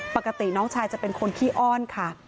ปกติน้องชายจะเป็นคนขี้อ้อนค่ะ